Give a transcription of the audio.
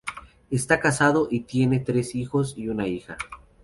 Está casado y tiene tres hijos y una hija.